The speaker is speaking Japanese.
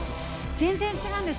全然違うんです。